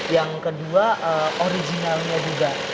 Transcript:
yang kedua originalnya juga